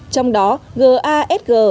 trong đó gasg